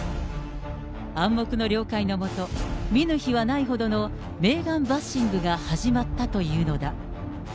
暗黙の了解の下、見ぬ日はないほどのメーガン・バッシングが始まったというのだ。